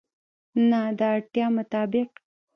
نه، د اړتیا مطابق